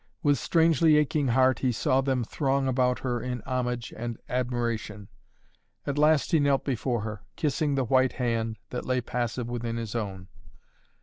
With strangely aching heart he saw them throng about her in homage and admiration. At last he knelt before her, kissing the white hand that lay passive within his own.